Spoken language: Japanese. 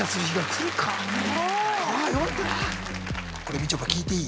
みちょぱ聞いていい？